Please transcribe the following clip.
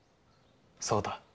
「そうだ。